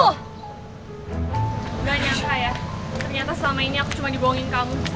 tidak nyangka ya ternyata selama ini aku cuma dibohongin kamu